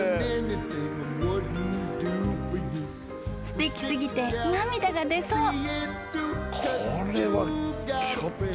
［すてき過ぎて涙が出そう］